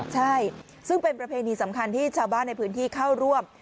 ใช่ซึ่งเป็นประเพณีสำคัญที่ชาวบ้านในพื้นที่เข้าร่วม